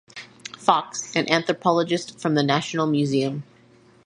Fox, an anthropologist from the National Museum.